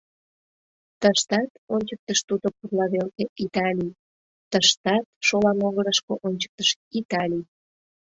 — Тыштат, — ончыктыш тудо пурла велке, — Италий, тыштат, — шола могырышко ончыктыш, — Италий...